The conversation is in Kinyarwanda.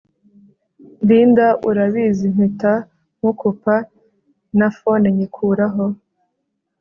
Linda urabizimpita mukupa na phone nyikuraho